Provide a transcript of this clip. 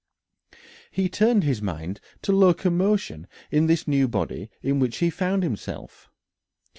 He turned his mind to locomotion in this new body in which he found himself.